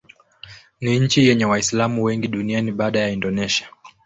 Ni nchi yenye Waislamu wengi duniani baada ya Indonesia.